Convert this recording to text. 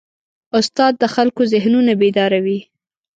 استاد د خلکو ذهنونه بیداروي.